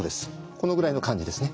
このぐらいの感じですね。